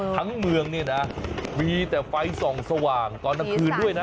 ทั้งเมืองเนี่ยนะมีแต่ไฟส่องสว่างตอนกลางคืนด้วยนะ